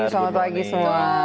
selamat pagi semua